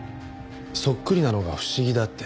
そっくりなのが不思議だって。